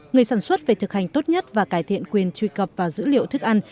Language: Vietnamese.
người sản xuất về thực hành tốt nhất và cải thiện quyền truy cập vào dữ liệu thức ăn